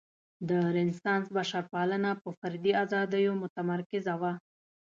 د رنسانس بشرپالنه په فردي ازادیو متمرکزه وه.